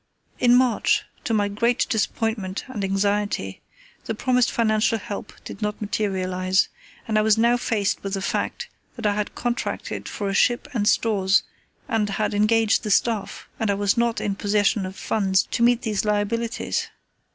In March, to my great disappointment and anxiety, the promised financial help did not materialize, and I was now faced with the fact that I had contracted for a ship and stores, and had engaged the staff, and I was not in possession of funds to meet these liabilities.